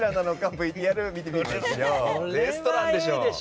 ＶＴＲを見てみましょう。